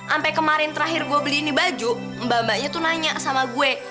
sampai kemarin terakhir gue beli ini baju mbak mbaknya tuh nanya sama gue